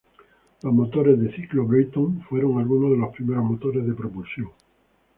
Los motores de ciclo Brayton fueron algunos de los primeros motores de propulsión.